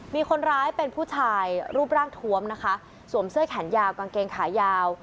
มีคนร้ายเป็นผู้ชายรูปร่างทวมนะคะสวมเสื้อแขนยาวกางเกงขายาว